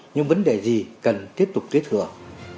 những vấn đề gì cần tiếp tục tiết hưởng